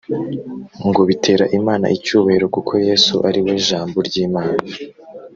ngo bitera imanaicyubahiro kuko yesu ariwe jambo ry; imana